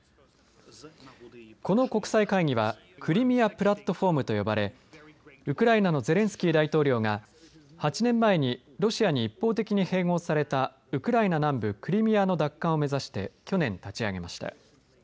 この国際会議はクリミア・プラットフォームと呼ばれウクライナのゼレンスキー大統領が８年前にロシアに一方的に併合されたウクライナ南部クリミアの奪還を目指して去年、立ち上げました。